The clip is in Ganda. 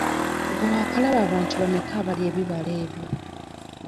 Gwe waakalaba abantu bameka abalya ebibala ebyo?